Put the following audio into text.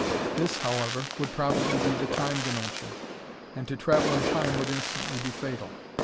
This, however, would probably be the time dimension, and to travel in time would instantly be fatal.